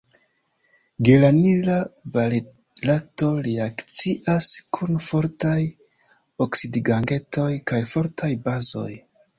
Geranila valerato reakcias kun fortaj oksidigagentoj kaj fortaj bazoj.